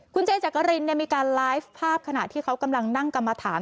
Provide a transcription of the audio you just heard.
คุณเจจกรินเนี่ยมีการไลฟ์ภาพขณะที่เขากำลังนั่งกลับมาถาม